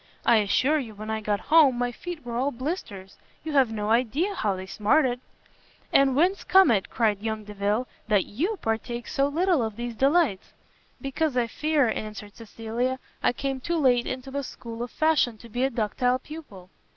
I assure you when I got home my feet were all blisters. You have no idea how they smarted." "And whence comes it," cried young Delvile, "that you partake so little of these delights?" "Because I fear," answered Cecilia, "I came too late into the school of fashion to be a ductile pupil."